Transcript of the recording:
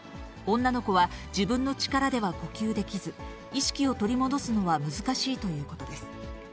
女の子は、自分の力では呼吸できず、意識を取り戻すのは難しいということです。